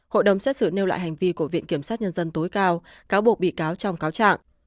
hội đồng xét xử nêu lại hành vi của viện kiểm sát nhân dân tối cao cáo buộc bị cáo trong cáo trạng